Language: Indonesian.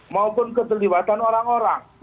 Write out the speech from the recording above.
maupun keterlibatan orang orang